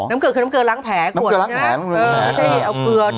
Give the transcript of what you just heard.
เกลือคือน้ำเกลือล้างแผลขวดนะเออไม่ใช่เอาเกลือ